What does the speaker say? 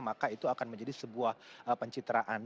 maka itu akan menjadi sebuah pencitraan